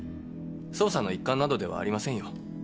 捜査の一環などではありませんよ。